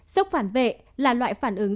sốc phản vệ là loại phản ứng